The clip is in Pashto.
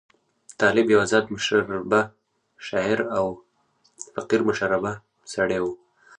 طالب یو آزاد مشربه شاعر او فقیر مشربه سړی وو.